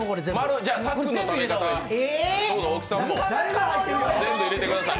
さっくんの食べ方、どうぞ大木さんも、全部入れてください。